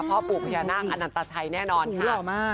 พ่อปู่พญานาคอนันตชัยแน่นอนค่ะ